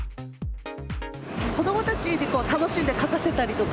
子どもたちに楽しんで書かせたりとか。